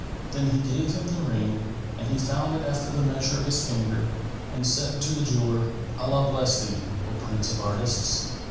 Then he gave him the ring, and he found it after the measure of his finger and said to the jeweller, "Allah bless thee, O prince of artists!